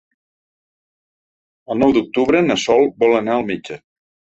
El nou d'octubre na Sol vol anar al metge.